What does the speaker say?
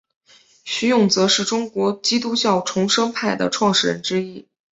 徐永泽是中国基督教重生派的创始人之一。